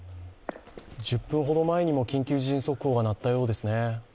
１０分ほど前にも緊急地震速報が鳴ったようですね。